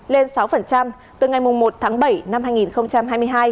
lên sáu từ ngày một tháng bảy năm hai nghìn hai mươi hai